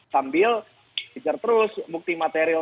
sambil dikejar terus bukti material